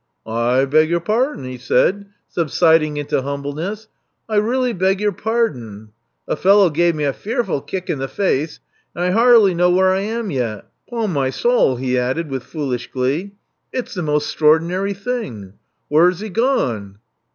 I beg your par'n," he said, subsiding into humble ness. *'I really beg your par'n. The fellow gave me a f earf ' kick in the face ; and I har'ly know where I am yet. Ton my soul," he added with foolish glee, it*s the mos* *xtror*nary thing. Where has he gone?"